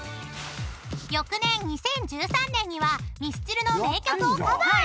［翌年２０１３年にはミスチルの名曲をカバー］